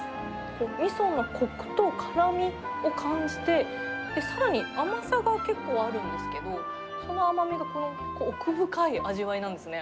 みそのこくと辛みを感じて、さらに甘さが結構あるんですけど、その甘みが奥深い味わいなんですね。